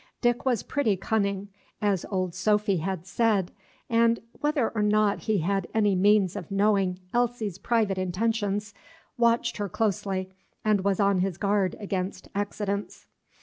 Dick was pretty cunning, as old Sophy had said, and, whether or not he had any means of knowing Elsie's private intentions, watched her closely, and was on his guard against accidents.